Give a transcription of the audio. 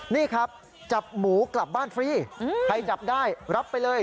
นี่ครับจับหมูกลับบ้านฟรีใครจับได้รับไปเลย